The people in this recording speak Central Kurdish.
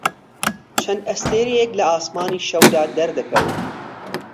چەند ئەستێرەیەک لە ئاسمانی شەودا دەردەکەون.